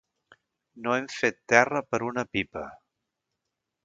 No hem fet terra per una pipa.